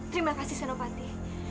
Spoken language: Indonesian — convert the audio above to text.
terima kasih senopati